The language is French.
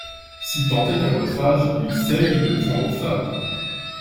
Si tant est qu'à votre âge il seye de prendre femme.